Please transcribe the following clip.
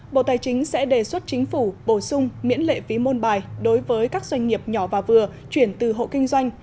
bộ tài chính sẽ đề xuất chính phủ bổ sung miễn lệ phí môn bài đối với các doanh nghiệp nhỏ và vừa chuyển từ hộ kinh doanh